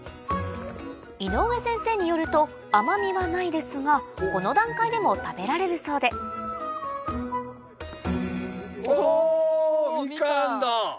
井上先生によると甘みはないですがこの段階でも食べられるそうでミカンだ。